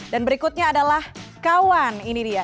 dan berikutnya adalah kawan ini dia